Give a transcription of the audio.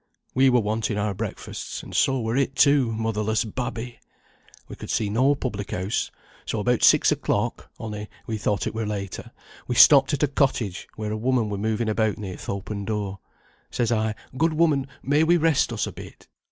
We were wanting our breakfasts, and so were it too, motherless babby! We could see no public house, so about six o'clock (only we thought it were later) we stopped at a cottage where a woman were moving about near th' open door. Says I, 'Good woman, may we rest us a bit?'